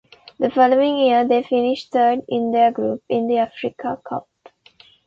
The following year, they finished third in their group in the Africa Cup.